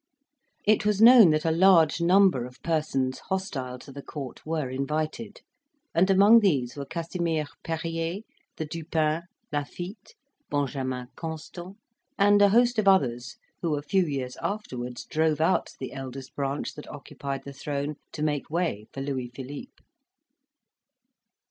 It was known that a large number of persons hostile to the court were invited; and among these were Casimir Perier, the Dupins, Lafitte, Benjamin Constant, and a host of others who a few years afterwards drove out the eldest branch that occupied the throne to make way for Louis Philippe.